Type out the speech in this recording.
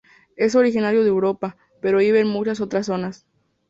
Es originario de Europa, pero vive en muchas otras zonas.